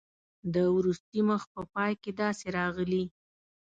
د وروستي مخ په پای کې داسې راغلي.